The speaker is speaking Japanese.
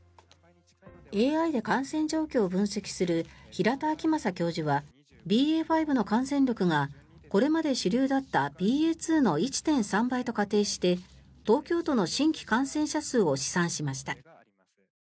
ＡＩで感染状況を分析する平田晃正教授はＢＡ．５の感染力がこれまで主流だったＢＡ．２の１．３倍と仮定して東京都の新規感染者数を試算しました。